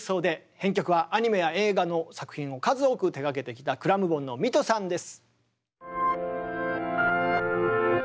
編曲はアニメや映画の作品を数多く手がけてきたｃｌａｍｍｂｏｎのミトさんです。